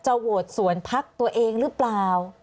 โหวตส่วนพักตัวเองหรือเปล่า